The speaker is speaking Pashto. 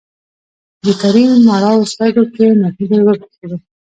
د کريم مړاوو سترګو کې نهيلي وبرېښېده.